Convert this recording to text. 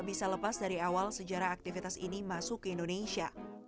bisa lepas dari awal sejarah aktivitas ini masuk ke indonesia